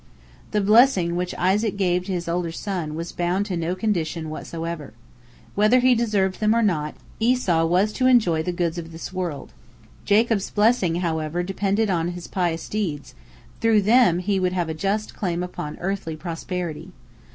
The blessing which Isaac gave to his older son was bound to no condition whatsoever. Whether he deserved them or not, Esau was to enjoy the goods of this world. Jacob's blessing, however, depended upon his pious deeds; through them he would have a just claim upon earthly prosperity.